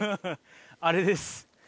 あれです。